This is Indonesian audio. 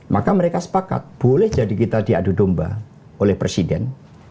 maka mereka sepakat boleh jadi kita diadu domba oleh presiden